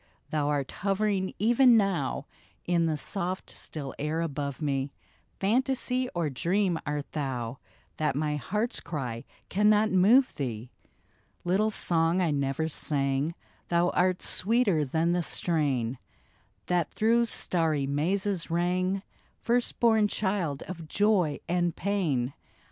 thou'rt hovering even now In the soft still air above me — Fantasy or dream art thou, That my heart's cry cannot move thee ? Little song I never sang, Thou art sweeter than the strain That through starry mazes rang, First born child of joy and pain.